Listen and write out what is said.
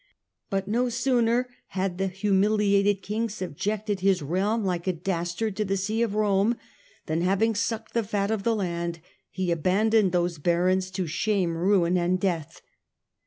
But no sooner had the humiliated King subjected his realm, like a dastard, to the See of Rome, than, having sucked the fat of the land, he abandoned those Barons to shame, ruin and death.